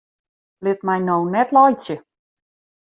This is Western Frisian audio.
Lit my no net laitsje!